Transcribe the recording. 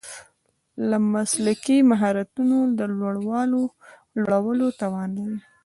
د مسلکي مهارتونو د لوړولو توان لري.